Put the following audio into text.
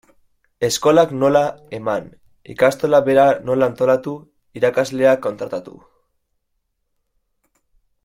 Eskolak nola eman, ikastola bera nola antolatu, irakasleak kontratatu...